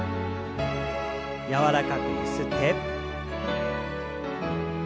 柔らかくゆすって。